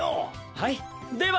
はいでは！